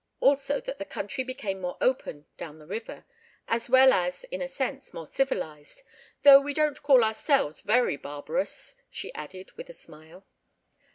Also that the country became more open "down the river," as well as, in a sense, more civilised, "though we don't call ourselves very barbarous," she added, with a smile.